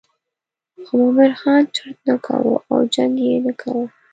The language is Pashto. خو مومن خان چرت نه کاوه او جنګ یې نه کاوه.